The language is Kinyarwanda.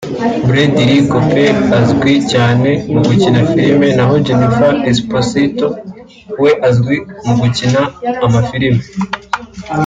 Bradley Cooper azwi cyane mu gukina filime naho Jennifer Esposito we azwi mu gukina amafilime